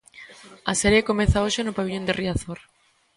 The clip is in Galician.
A serie comeza hoxe no pavillón de Riazor.